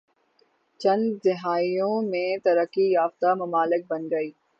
چند دہائیوں میں ترقی یافتہ ممالک بن گئے